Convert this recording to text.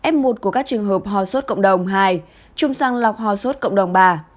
f một của các trường hợp hòa suốt cộng đồng hai chùm sang lọc hòa suốt cộng đồng ba